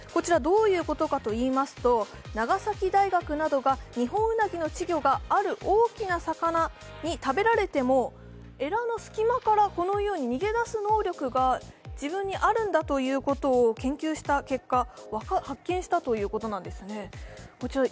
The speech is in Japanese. どういうことかといいますと、長崎大学などがニホンウナギの稚魚がある大きな魚に食べられてもえらの隙間から逃げ出す能力が自分にあるんだということを研究した結果、発見したということです